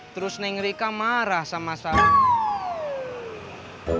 terus neng rika marah sama salman